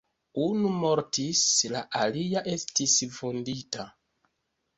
Unu mortis, la alia estis vundita.